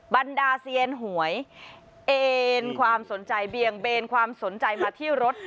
บรรดาเซียนหวยเอ็นความสนใจเบียงเบนความสนใจมาที่รถ